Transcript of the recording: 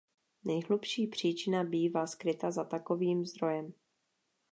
Nejhlubší příčina bývá skryta za takovým zdrojem.